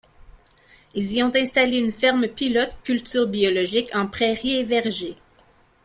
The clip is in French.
Ils y ont installé une ferme pilote, cultures biologique, en prairies et vergers.